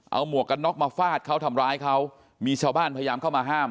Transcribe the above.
เอาหมวกกันน็อกมาฟาดเขาทำร้ายเขามีชาวบ้านพยายามเข้ามาห้าม